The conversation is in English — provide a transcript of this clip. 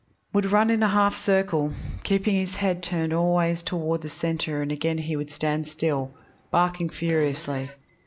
would run in a half circle, keeping his head turned always toward the centre and again he would stand still, barking furiously.